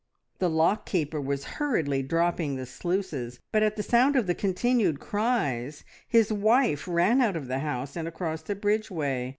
The lock keeper was hurriedly dropping the sluices, but at the sound of the continued cries his wife ran out of the house and across the bridgeway.